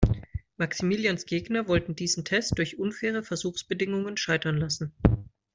Maximilians Gegner wollten diesen Test durch unfaire Versuchsbedingungen scheitern lassen.